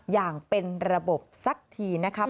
อย่างเป็นระบบสักทีนะครับ